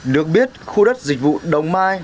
được biết khu đất dịch vụ đồng mai